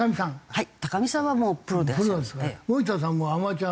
はい。